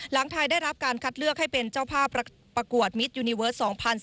หลังไทยได้รับการคัดเลือกให้เป็นเจ้าภาพประกวดมิตรยูนิเวิร์ส๒๐๑๙